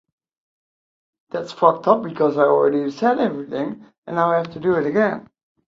Insulza attended Saint George's College, an elite American English-language school in Santiago, Chile.